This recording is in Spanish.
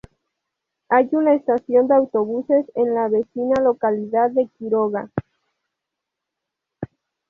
Hay una estación de autobuses en la vecina localidad de Quiroga.